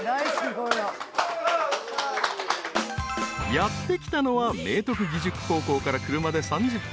［やって来たのは明徳義塾高校から車で３０分］